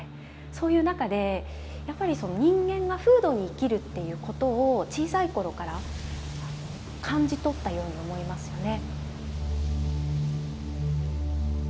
そういう中でやっぱり人間が風土に生きるっていうことを小さい頃から感じ取ったように思いますよね。